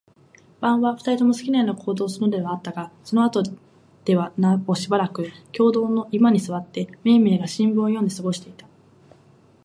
晩は、二人とも好きなような行動をするのではあったが、そのあとではなおしばらく共同の居間に坐って、めいめいが新聞を読んで過ごした。